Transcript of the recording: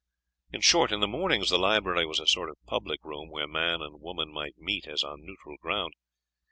In short, in the mornings the library was a sort of public room, where man and woman might meet as on neutral ground.